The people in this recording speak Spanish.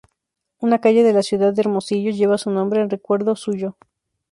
Una calle de la ciudad de Hermosillo lleva su nombre en recuerdo suyo.